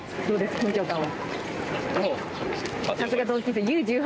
緊張感は。